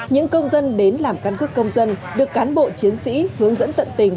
những công dân đến làm căn cước công dân được cán bộ chiến sĩ hướng dẫn tận tình